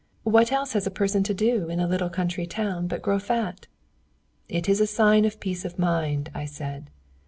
What else has a person to do in a little country town but grow fat?" "It is a sign of peace of mind," I said.